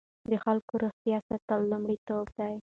د خلکو روغتیا ساتل لومړیتوب دی.